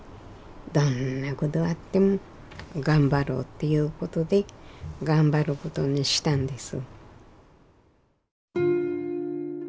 どんなことがあっても頑張ろうっていうことで頑張ることにしたんです。